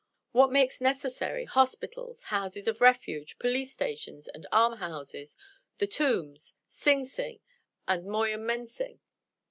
What makes necessary hospitals, houses of refuge, police stations, and alms houses, the Tombs, Sing Sing, and Moyamensing?